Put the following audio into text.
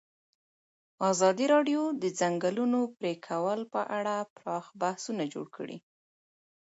ازادي راډیو د د ځنګلونو پرېکول په اړه پراخ بحثونه جوړ کړي.